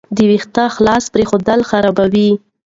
ویښتې خلاص پریښودل خرابوي.